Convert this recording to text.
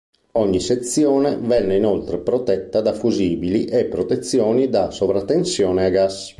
Ogni sezione venne inoltre protetta da fusibili e protezioni da sovratensione a gas.